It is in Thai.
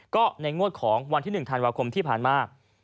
ก็ในงวดของวันที่๑ธันวาคมที่ผ่านมา